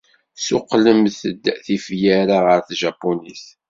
Ssuqqlemt-d tifyar-a ɣer tjapunit.